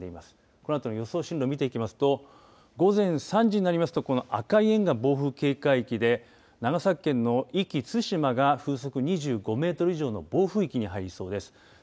このあとの予想進路を見ていきますと午前３時になりますと赤い円が暴風警戒域で長崎県の壱岐・対馬が風速２５メートル以上の暴風域に入りそうです。